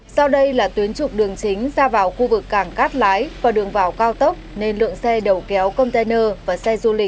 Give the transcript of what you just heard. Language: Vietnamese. sau đây là tuyến trục đường chính ra vào khu vực cảng cát lái và đường vào cao tốc nên lượng xe đầu kéo công